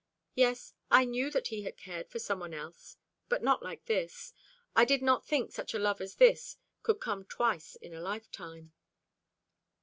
Yes, I knew that he had cared for some one else, but not like this. I did not think such a love as this could come twice in a lifetime."